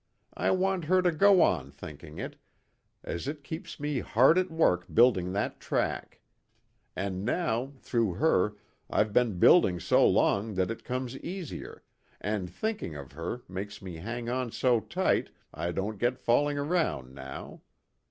I want her to go on thinking it, as it keeps me hard at work building that track. And now, through her, I've been building so long that it comes easier, and thinking of her makes me hang on so tight I don't get falling around now.